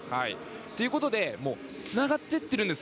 ということでつながっていってるんです。